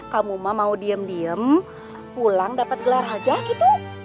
kamu mah mau diem diem pulang dapat gelar hajah gitu